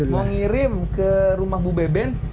mau ngirim ke rumah bu beben